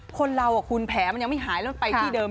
คนเราคุณแผลมันยังไม่หายแล้วไปที่เดิม